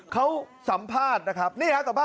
เขาสัมภาษณ์นะครับ